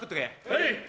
はい！